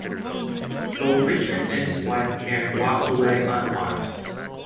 Both Richards and his wife Karen walked away unharmed.